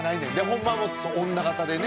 ホンマはもっと女形でね。